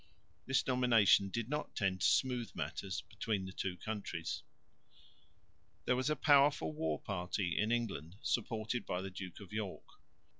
This nomination did not tend to smooth matters between the two countries. There was a powerful war party in England, supported by the Duke of York.